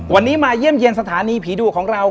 วันนี้มาเยี่ยมเยี่ยมสถานีผีดุของเรา